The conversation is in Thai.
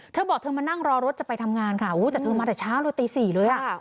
เธอบอกเธอมานั่งรอรถจะไปทำงานค่ะแต่เธอมาแต่เช้าเลยตี๔เลยอ่ะ